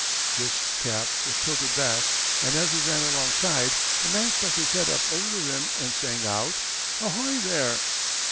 This cap was tilted back, and as we ran alongside, a man stuck his head up over the rim and sang out, "Ahoy there!"